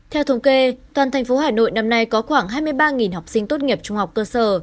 theo thống kê toàn thành phố hà nội năm nay có khoảng hai mươi ba học sinh tốt nghiệp trung học cơ sở